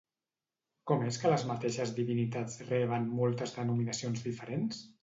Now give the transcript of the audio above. Com és que les mateixes divinitats reben moltes denominacions diferents?